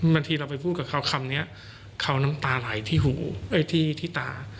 บางทีเราไปพูดกับเขาคำนี้เขาน้ำตาไหลที่หูที่ตา